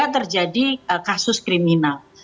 atau terjadi kasus kriminal